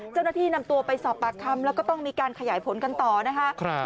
เจ้าหน้าที่นำตัวไปสอบปากคำแล้วก็ต้องมีการขยายผลกันต่อนะคะ